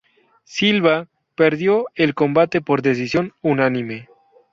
Silva perdió el combate por decisión unánime.